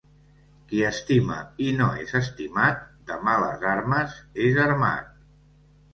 Qui estima i no és estimat de males armes és armat.